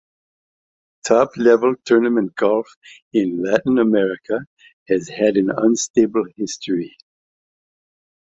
Top level tournament golf in Latin America has had an unstable history.